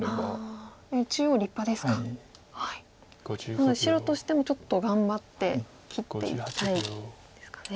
なので白としてもちょっと頑張って切っていきたいですかね。